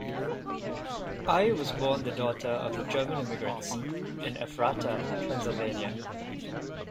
Ay was born the daughter of German immigrants in Ephrata, Pennsylvania.